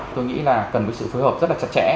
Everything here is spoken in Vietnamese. tôi nghĩ là cần với sự phối hợp rất là chặt chẽ